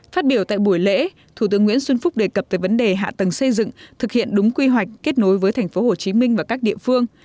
phát biểu tại buổi lễ thủ tướng nguyễn xuân phúc đề cập về vấn đề hạ tầng xây dựng thực hiện đúng quy hoạch kết nối với thành phố hồ chí minh và các địa phương